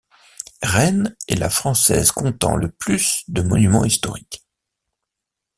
Rennes est la française comptant le plus de monuments historiques.